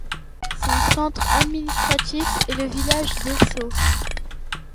Son centre administratif est le village d'Esso.